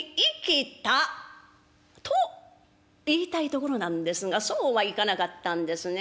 と言いたいところなんですがそうはいかなかったんですね。